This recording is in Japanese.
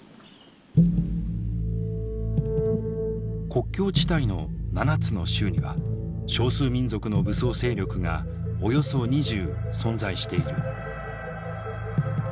国境地帯の７つの州には少数民族の武装勢力がおよそ２０存在している。